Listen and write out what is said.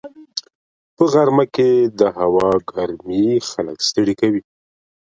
په غرمه کې د هوا ګرمي خلک ستړي کوي